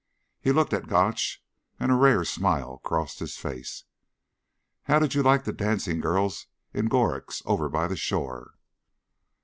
He looked at Gotch and a rare smile crossed his face. "How did you like the dancing girls in Gorik's, over by the shore?"